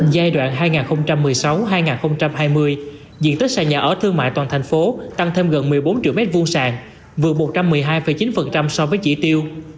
giai đoạn hai nghìn một mươi sáu hai nghìn hai mươi diện tích sàn nhà ở thương mại toàn thành phố tăng thêm gần một mươi bốn triệu m hai sàng vừa một trăm một mươi hai chín so với chỉ tiêu